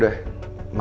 makasih ya mbak